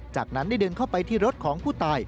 จากนั้นได้เดินเข้าไปที่รถของผู้ตาย